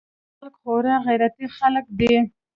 زموږ خلق خورا غيرتي خلق دي.